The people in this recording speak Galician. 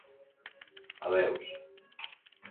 Adeus.